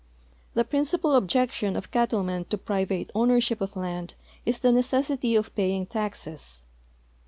The prin cipal objection of cattlemen to private ownership of land is the necessity of i)aying taxes.